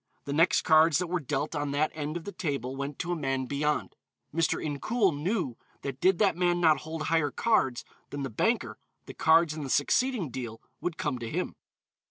The next cards that were dealt on that end of the table went to a man beyond. Mr. Incoul knew that did that man not hold higher cards than the banker the cards in the succeeding deal would come to him.